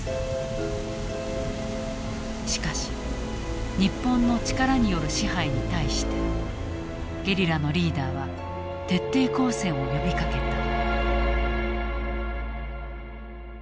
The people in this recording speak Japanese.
しかし日本の力による支配に対してゲリラのリーダーは徹底抗戦を呼びかけた。